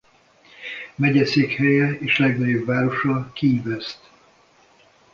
Megyeszékhelye és legnagyobb városa Key West.